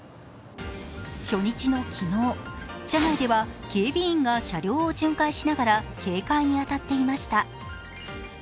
初日の昨日、車内では警備員が車両を巡回しながら警戒に当たっていました。